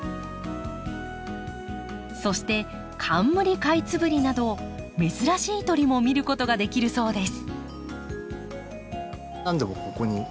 そしてカンムリカイツブリなど珍しい鳥も見ることができるそうです。